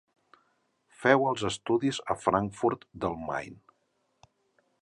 Feu els estudis a Frankfurt del Main.